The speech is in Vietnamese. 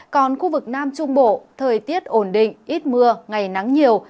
còn khu vực nam trung bộ thời tiết ổn định ít mưa ngày nắng nhiều